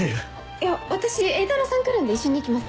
いや私榮太郎さん来るんで一緒に行きます。